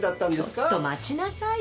ちょっと待ちなさいよ。